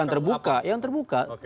yang terbuka yang terbuka